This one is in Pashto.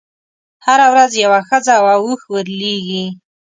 هره ورځ یوه ښځه او اوښ ورلېږي.